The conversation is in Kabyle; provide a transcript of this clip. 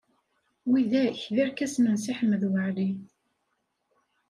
Widak d irkasen n Si Ḥmed Waɛli.